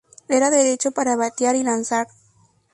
Era derecho para batear y lanzar.